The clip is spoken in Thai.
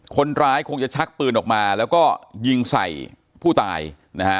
คนร้ายคงจะชักปืนออกมาแล้วก็ยิงใส่ผู้ตายนะฮะ